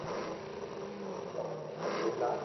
او ني متي لاو